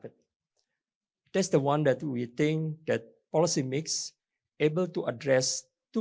itu yang kita pikirkan polisi mix dapat menjawab dua tujuan